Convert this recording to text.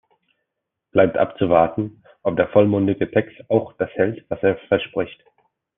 Es bleibt abzuwarten, ob der vollmundige Text auch das hält, was er verspricht.